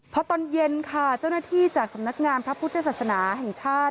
พอตอนเย็นค่ะเจ้าหน้าที่จากสำนักงานพระพุทธศาสนาแห่งชาติ